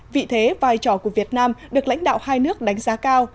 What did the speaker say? vị thế vai trò của việt nam được lãnh đạo hai nước đánh giá cao